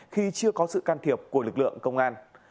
khi chưa có sự can thiệp của lực lượng công an